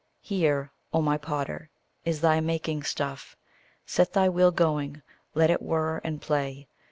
Here, O my potter, is thy making stuff! Set thy wheel going; let it whir and play.